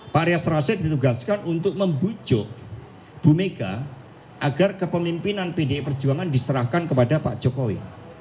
pak rias rashid ditugaskan untuk membujuk bu mega agar kepemimpinan pdi perjuangan diserahkan kepada pak jokowi